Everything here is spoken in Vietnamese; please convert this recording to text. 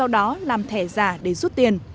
sau đó làm thẻ giả để rút tiền